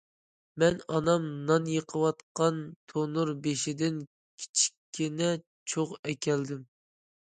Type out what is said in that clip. مەن ئانام نان يېقىۋاتقان تونۇر بېشىدىن كىچىككىنە چوغ ئەكەلدىم.